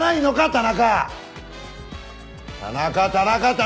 田中田中田中！